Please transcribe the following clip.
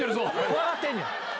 怖がってんねん。